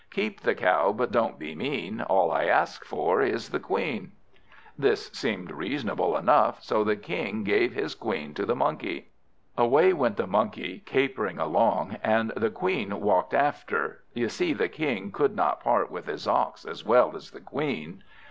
Keep the cow, but don't be mean: All I ask for, is the Queen." This seemed reasonable enough, so the King gave his Queen to the Monkey. Away went the Monkey, capering along, and the Queen walked after (you see the King could not part with his ox as well as the Queen).